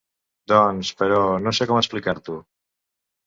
Doncs, però, no sé com explicar-t'ho.